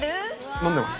飲んでます。